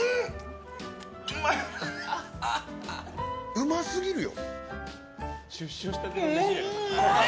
うますぎるよ。